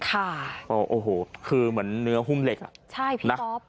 ค่ะโอ้โหคือเหมือนเนื้อหุ้มเหล็กอ่ะใช่พี่ก๊อฟ